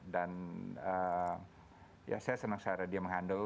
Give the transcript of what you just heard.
dan ya saya senang cara dia menghandle